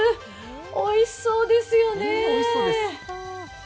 おいしそうですよね。